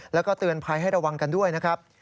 แล้วก็เตือนภัยให้ระวังกันด้วยนะครับ